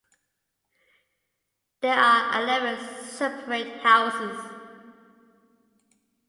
There are eleven separate Houses.